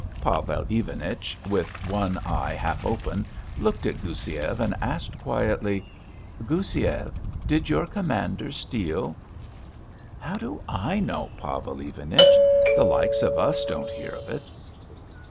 Pavel Ivanich, with one eye half open looked at Goussiev and asked quietly: "Goussiev, did your commander steal?" "How do I know, Pavel Ivanich? The likes of us don't hear of it."